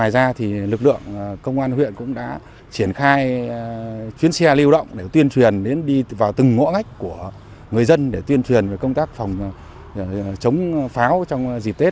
đã triển khai chuyến xe lưu động để tuyên truyền đến đi vào từng ngõ ngách của người dân để tuyên truyền về công tác phòng chống pháo trong dịp tết